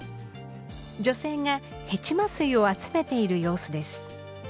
女性がヘチマ水を集めている様子です。